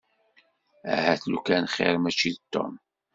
Ahat lukan xir mačči d Tom.